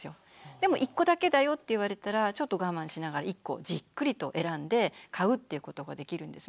でも１個だけだよって言われたらちょっと我慢しながら１個じっくりと選んで買うっていうことができるんですね。